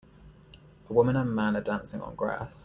A woman and man are dancing on grass.